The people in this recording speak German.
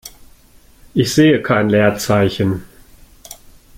Ich sehe kein Leerzeichen.